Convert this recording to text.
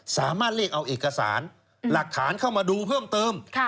สามารถเรียกเอาเอกสารหลักฐานเข้ามาดูเพิ่มเติม